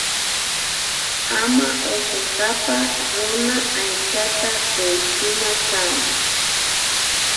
Ama unkunkak runa aychata kuyuchina kan